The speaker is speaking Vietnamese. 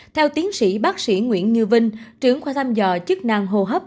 theo tiến sĩ bác sĩ nguyễn như vinh trưởng khoa thăm dò chức năng hô hấp